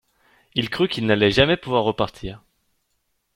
Il crut qu’il n’allait jamais pouvoir repartir.